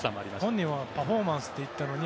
本人はパフォーマンスって言ったのに